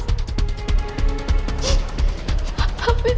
saya sudah berharap